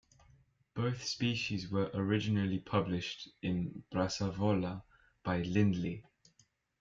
Both species were originally published in "Brassavola" by Lindley.